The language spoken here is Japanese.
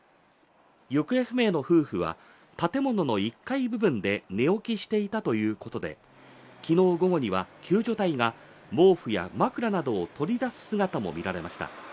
行方不明の夫婦は建物の１階部分で寝起きしていたということで昨日午後には救助隊が毛布や枕などを取り出す姿も見られました。